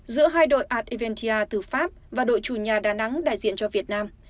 giữa hai đội a eventia từ pháp và đội chủ nhà đà nẵng đại diện cho việt nam